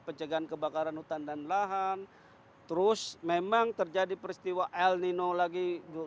pencegahan kebakaran hutan dan lahan terus memang terjadi peristiwa el nino lagi dua ribu sembilan belas